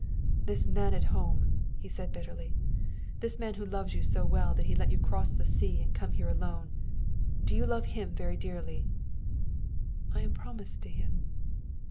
"This man at home " he said bitterly; "this man who loves you so well that he let you cross the sea and come here alone do you love him very dearly?" "I am promised to him."